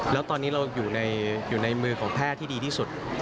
แล้วตอนนี้เราอยู่ในมือของแพทย์ที่ดีที่สุด